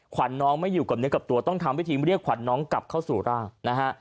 ขวัญน้องไม่อยู่กับเนื้อกับตัวต้องทำวิธีเรียกขวัญน้องกลับเข้าสู่ร่างนะฮะ